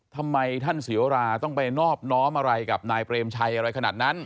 ทำไมท่านเสียวราต้องไปนอบน้อมอะไรกับนายเปรมชัยอะไรขนาดนั้น